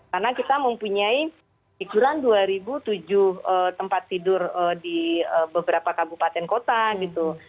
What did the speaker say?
karena kita mempunyai ikuran dua ribu tujuh tempat tidur di beberapa kabupaten kota gitu